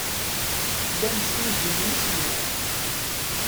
Llan snuzuyen iselman.